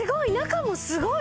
すごい！